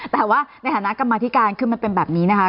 แต่ว่าในฐานะกรรมธิการคือมันเป็นแบบนี้นะคะ